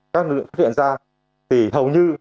các nữ hiện ra thì hầu như